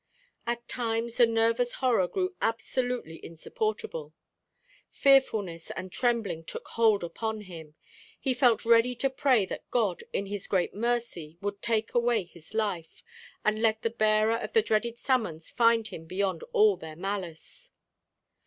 At times the nervous horror grew absolutely insupportable. Tearfulness and trembling took hold upon him. He felt ready to pray that God in his great mercy would take away his life, and let the bearer of the dreaded summons find him beyond all their malice.